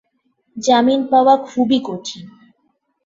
জামিন পাওয়া খুবই কঠিন।